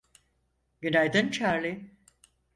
Günaydın Charlie.